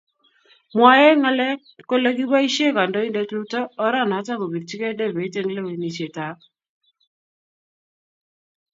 Mwoe ngalek kole kiboishee Kandoindet Ruto oranoto kopirchikei debeit eng lewenishet ab